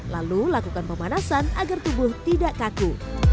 lalu lakukan pemanasan agar tubuh tidak kaku